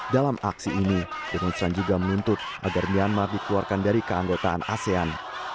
dalam aksi ini demonstran juga menuntut agar myanmar dikeluarkan dari keanggotaan asean